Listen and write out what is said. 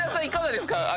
いかがですか？